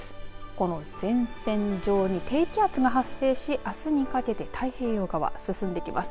この前線上に低気圧が発生しあすにかけて太平洋側、進んできます。